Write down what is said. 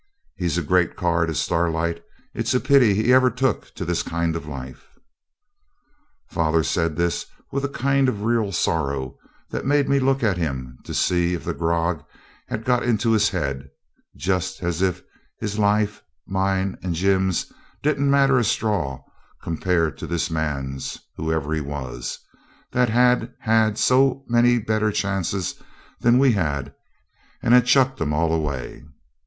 He's a great card is Starlight. It's a pity he ever took to this kind of life.' Father said this with a kind of real sorrow that made me look at him to see if the grog had got into his head; just as if his life, mine, and Jim's didn't matter a straw compared to this man's, whoever he was, that had had so many better chances than we had and had chucked 'em all away.